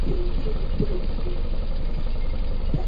图里亚尔瓦火山位于中部。